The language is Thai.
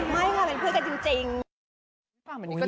ไม่ค่ะเป็นเพื่อนกันจริง